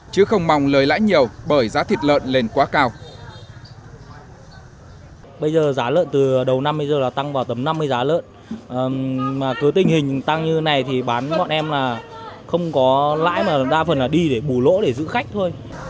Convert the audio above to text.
chứ không mong lời lãi nhiều bởi giá thịt lợn lên quá cao